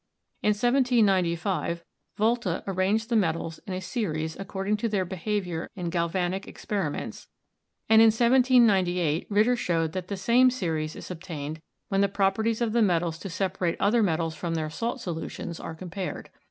In 1795, Volta arranged the metals in a series according to their behavior in galvanic experi ments, and in 1798 Ritter showed that the same series is obtained when the properties of the metals to separate; other metals from their salt solutions are compared.